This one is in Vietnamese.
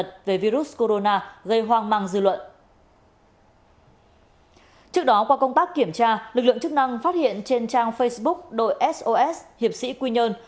trước đó qua công tác kiểm tra lực lượng chức năng phát hiện trên trang facebook đội sos hiệp sĩ quy nhơn